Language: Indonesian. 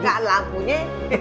nggak ada lampunya